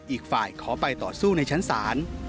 อีกฝ่ายขอไปต่อสู้ในชั้นศาล